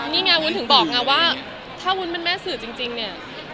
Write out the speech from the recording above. นี่ไงวุ้นถึงบอกไงว่าถ้าวุ้นเป็นแม่สื่อจริงเนี่ย